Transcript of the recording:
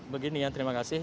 begini ya terima kasih